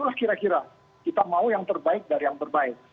itulah kira kira kita mau yang terbaik dari yang terbaik